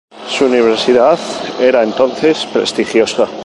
Su universidad era entonces prestigiosa.